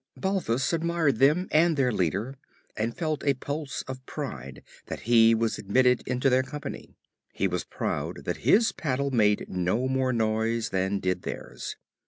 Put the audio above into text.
Balthus admired them and their leader and felt a pulse of pride that he was admitted into their company. He was proud that his paddle made no more noise than did theirs.